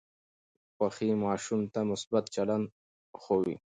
خوښي ماشوم ته مثبت چلند ښووي.